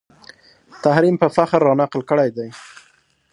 تحریم په فخر رانقل کړی دی